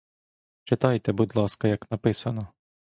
Читайте, будь ласка, як написано.